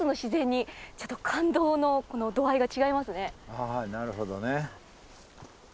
ああなるほどね。